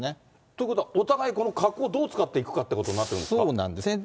ということは、お互い、この角をどう使っていくかっていうこそうなんですね。